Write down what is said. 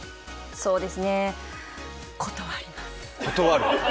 そうですね、断ります。